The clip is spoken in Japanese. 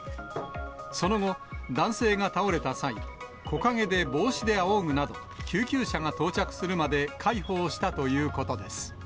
その後、男性が倒れた際、木陰で帽子であおぐなど、救急車が到着するまで介抱したということです。